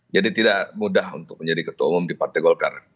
jadi tidak mudah untuk menjadi ketua umum di partai golkar